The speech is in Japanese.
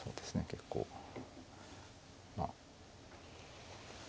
結構まあ。